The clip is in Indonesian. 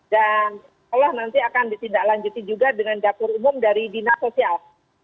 dan olah nanti akan ditindaklanjuti juga dengan dapur umum dari dina sosial